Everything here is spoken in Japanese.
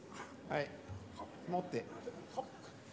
はい。